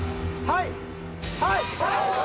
はい。